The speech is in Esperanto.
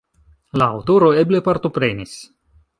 La aŭtoro eble partoprenis.